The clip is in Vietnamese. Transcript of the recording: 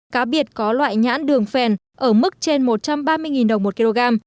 cá biệt có loại nhãn đường phèn ở mức trên một trăm ba mươi đồng một kg